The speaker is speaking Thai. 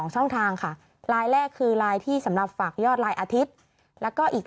ช่องทางค่ะลายแรกคือลายที่สำหรับฝากยอดลายอาทิตย์แล้วก็อีก